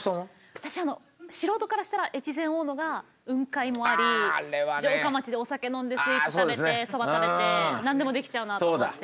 私あの素人からしたら越前大野が雲海もあり城下町でお酒飲んでスイーツ食べてそば食べて何でもできちゃうなと思って。